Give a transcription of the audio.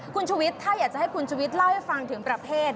คุณชุวิตถ้าอยากจะให้คุณชุวิตเล่าให้ฟังถึงประเภท